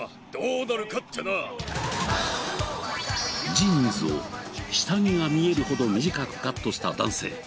ジーンズを下着が見えるほど短くカットした男性。